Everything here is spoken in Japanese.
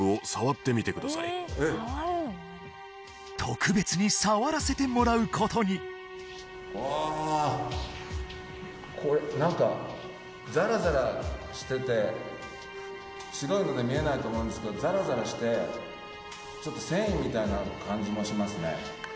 特別に触らせてもらうことにわあ何かザラザラしてて白いので見えないと思うんですけどザラザラしてちょっと繊維みたいな感じもしますね